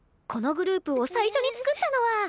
このグループを最初に作ったのは。